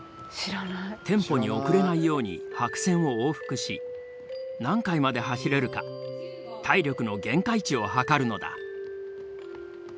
テンポに遅れないように白線を往復し何回まで走れるか体力の限界値を測るのだ。